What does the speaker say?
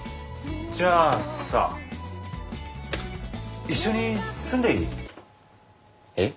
じゃあさ一緒に住んでいい？え？